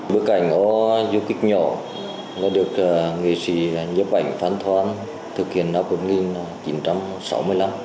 bức ảnh ô dù kích nhỏ đã được nghệ sĩ nhật anh phan thoan thực hiện vào năm một nghìn chín trăm sáu mươi năm